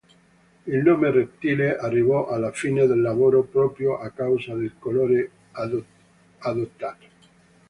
Il nome Reptile arrivò alla fine del lavoro proprio a causa del colore adottato.